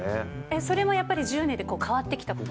それもやっぱり、１０年で変わってきたこと？